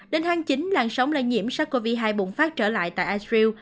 đến tháng chín làn sóng là nhiễm sars cov hai bùng phát trở lại tại israel